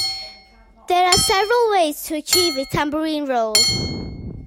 There are several ways to achieve a tambourine roll.